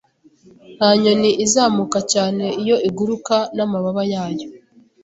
Nta nyoni izamuka cyane iyo iguruka namababa yayo